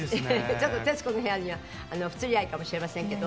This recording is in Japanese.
ちょっと『徹子の部屋』には不釣り合いかもしれませんけど。